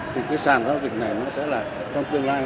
thì cái sàn giao dịch này nó sẽ là trong tương lai